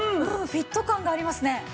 フィット感がありますね。